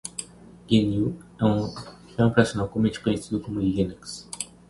Gnu é o sistema operacional comumente conhecido como Linux.